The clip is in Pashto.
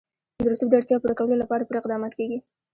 د رسوب د اړتیاوو پوره کولو لپاره پوره اقدامات کېږي.